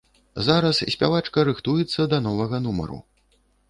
Зараз спявачка рыхтуецца да новага нумару.